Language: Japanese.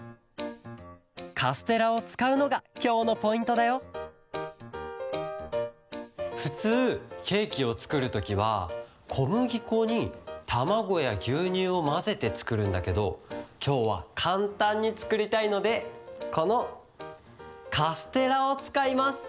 カステラをつかうのがきょうのポイントだよふつうケーキをつくるときはこむぎこにたまごやぎゅうにゅうをまぜてつくるんだけどきょうはかんたんにつくりたいのでこのカステラをつかいます。